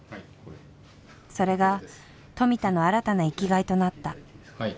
それが富田の新たな生きがいとなった。